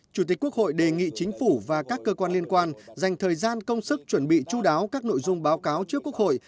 chủ tịch quốc hội đề nghị chính phủ và các cơ quan liên quan dành thời gian công sức chuẩn bị chú đáo các nội dung báo cáo trước quốc hội